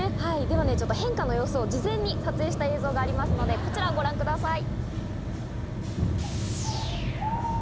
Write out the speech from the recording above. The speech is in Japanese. ではね、ちょっと変化の様子を、事前に撮影した映像がありますので、こちら、ご覧ください。